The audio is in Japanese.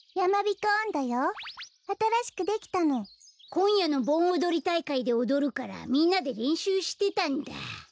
こんやのぼんおどりたいかいでおどるからみんなでれんしゅうしてたんだ。